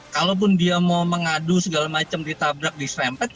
kalaupun dia mau mengadu segala macam ditabrak diserempet